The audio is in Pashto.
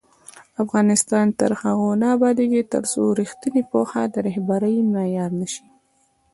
افغانستان تر هغو نه ابادیږي، ترڅو ریښتینې پوهه د رهبرۍ معیار نه شي.